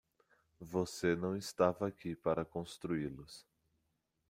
Você não estava aqui para construí-los.